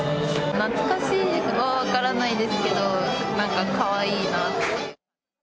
懐かしいかは分からないですけど、なんか、かわいいなと。